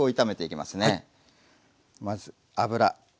まず油。